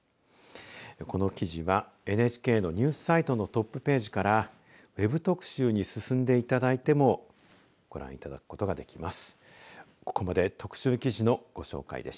この記事はＮＨＫのニュースサイトのトップページからＷＥＢ特集に進んでいただいてもご覧いただくことができます。